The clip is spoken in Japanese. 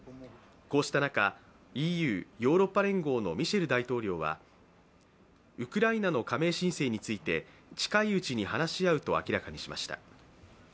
こうした中、ＥＵ＝ヨーロッパ連合のミシェル大統領はウクライナの加盟申請について近いうちに話し合うと明らかにしました。